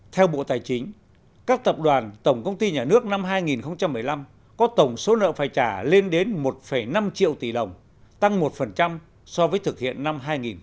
theo bộ tài chính các tập đoàn tổng công ty nhà nước năm hai nghìn một mươi năm có tổng số nợ phải trả lên đến một năm triệu tỷ đồng tăng một so với thực hiện năm hai nghìn một mươi bảy